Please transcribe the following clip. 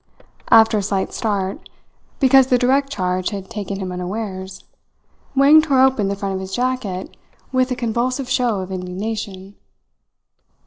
After a slight start, because the direct charge had taken him unawares, Wang tore open the front of his jacket with a convulsive show of indignation.